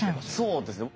そうですね。